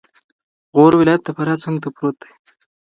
غور ولایت د فراه څنګته پروت دی